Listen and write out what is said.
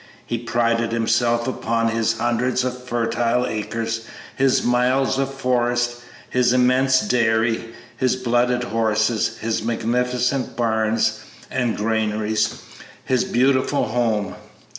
He prided himself upon his hundreds of fertile acres, his miles of forest, his immense dairy, his blooded horses, his magnificent barns and granaries, his beautiful home.